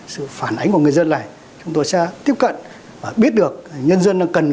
sự phản ánh của người dân này chúng tôi sẽ tiếp cận và biết được nhân dân cần gì ở công an